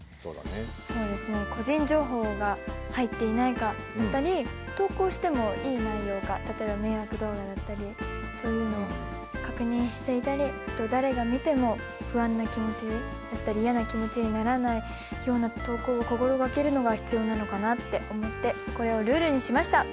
そうですね個人情報が入っていないかだったり投稿してもいい内容か例えば迷惑動画だったりそういうのを確認したり誰が見ても不安な気持ちだったりやな気持ちにならないような投稿を心がけるのが必要なのかなって思ってこれをルールにしました。